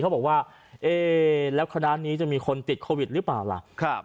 เขาบอกว่าเอ๊ะแล้วคณะนี้จะมีคนติดโควิดหรือเปล่าล่ะ